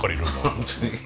本当に。